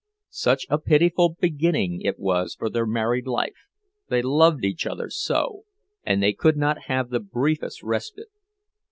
Such a pitiful beginning it was for their married life; they loved each other so, and they could not have the briefest respite!